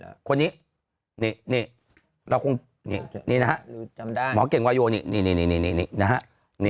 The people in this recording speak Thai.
แล้วคนนี้นี้เนี่ยเนี่ยเนี่ยนะฮะจํด้านหมอเก่งนี้นี่นะฮะ